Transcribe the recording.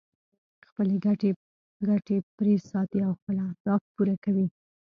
خپلې ګټې پرې ساتي او خپل اهداف پوره کوي.